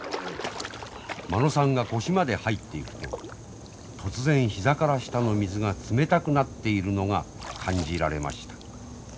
間野さんが腰まで入っていくと突然膝から下の水が冷たくなっているのが感じられました。